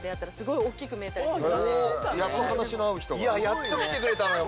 やっと来てくれたのよ。